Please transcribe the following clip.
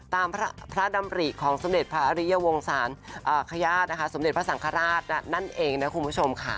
ตามพระดำริของสมเด็จพระอริยวงศาลขญาตินะคะสมเด็จพระสังฆราชนั่นเองนะคุณผู้ชมค่ะ